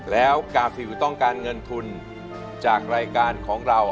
แล้วกาฟิลต้องการเงินทุนจากรายการของเรา